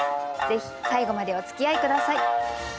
ぜひ最後までおつきあい下さい。